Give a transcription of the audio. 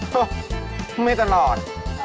โธ่เมื่อยตลอด